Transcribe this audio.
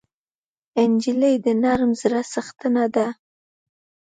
نجلۍ د نرم زړه څښتنه ده.